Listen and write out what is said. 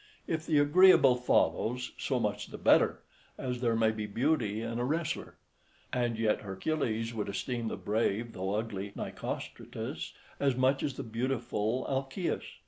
If the agreeable follows, so much the better, as there may be beauty in a wrestler. And yet Hercules would esteem the brave though ugly Nicostratus as much as the beautiful Alcaeus.